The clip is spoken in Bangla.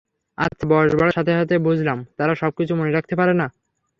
আচ্ছা, বয়স বাড়ার সাথে সাথে বুঝলাম, তারা সবকিছু মনে রাখতে পারে না।